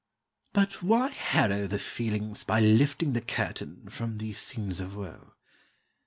But why harrow the feelings by lifting the curtain From these scenes of woe?